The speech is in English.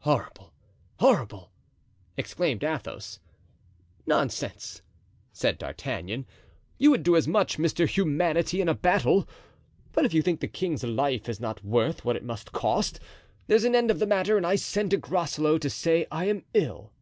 "Horrible, horrible," exclaimed Athos. "Nonsense," said D'Artagnan; "you would do as much, Mr. Humanity, in a battle. But if you think the king's life is not worth what it must cost there's an end of the matter and I send to Groslow to say I am ill."